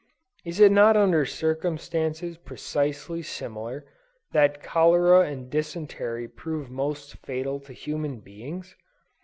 Is it not under circumstances precisely similar, that cholera and dysentery prove most fatal to human beings?